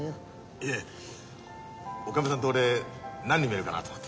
いえおかみさんと俺何に見えるかなと思って。